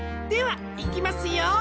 ではいきますよ。